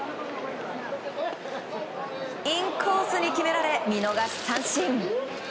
インコースに決められ見逃し三振。